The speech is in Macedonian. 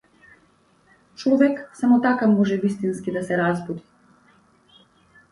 Човек само така може вистински да се разбуди.